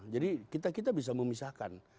jadi kita bisa memisahkan